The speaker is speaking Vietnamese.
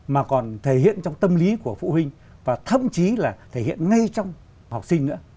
mà còn thể hiện trong tâm lý của phụ huynh và thậm chí là thể hiện ngay trong học sinh nữa